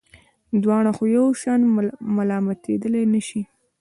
دواړه خو یو شان ملامتېدلای نه شي.